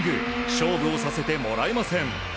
勝負をさせてもらえません。